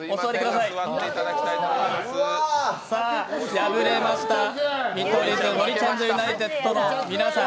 敗れました見取り図のもりちゃんずユナイテッドの皆さん